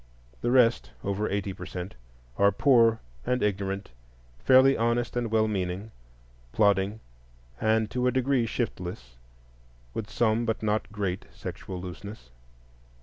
The rest, over eighty per cent, are poor and ignorant, fairly honest and well meaning, plodding, and to a degree shiftless, with some but not great sexual looseness.